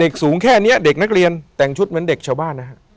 สูงแค่นี้เด็กนักเรียนแต่งชุดเหมือนเด็กชาวบ้านนะฮะ